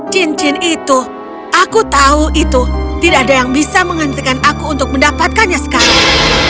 cincin itu aku tahu itu tidak ada yang bisa menghentikan aku untuk mendapatkannya sekali